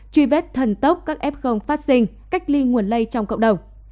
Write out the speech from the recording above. truy vết thần tốc các f phát sinh cách ly nguồn lây trong cộng đồng